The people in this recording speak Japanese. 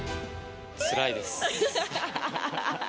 つらいです。